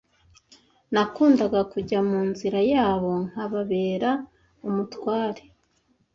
Nakundaga kujya mu nzira yabo nkababera umutware